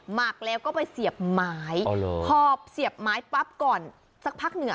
หมักแล้วก็ไปเสียบไม้พอเสียบไม้ปั๊บก่อนสักพักหนึ่ง